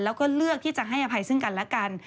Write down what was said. แล้วก็เลือกที่จะให้อภัยซึ่งกันและกัน